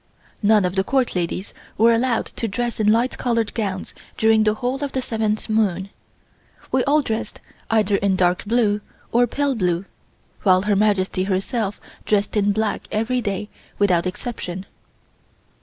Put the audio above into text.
None of the Court ladies were allowed to dress in light coloured gowns during the whole of the seventh moon. We all dressed either in dark blue or pale blue, while Her Majesty herself dressed in black every day without exception.